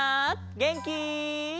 げんき？